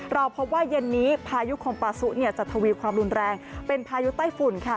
เราพบว่าเย็นนี้พายุคมปาซุจะทวีความรุนแรงเป็นพายุใต้ฝุ่นค่ะ